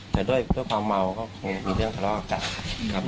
แต่ด้วยความเมาก็คงมีเรื่องทะเลาะกันครับ